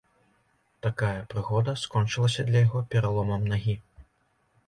Такая прыгода скончылася для яго пераломам нагі.